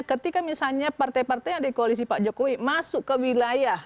ketika misalnya partai partai yang ada di koalisi pak jokowi masuk ke wilayah